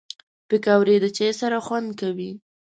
پکورې د چای سره خوند کوي